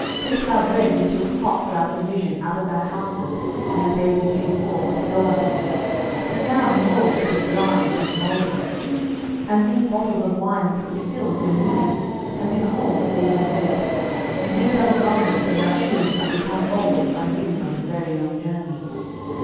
06:009:012 This our bread we took hot for our provision out of our houses on the day we came forth to go unto you; but now, behold, it is dry, and it is mouldy: 06:009:013 And these bottles of wine, which we filled, were new; and, behold, they be rent: and these our garments and our shoes are become old by reason of the very long journey.